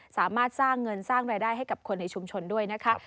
สามารถสร้างเงินสร้างรายได้ให้กับคนในชุมชนด้วยนะคะ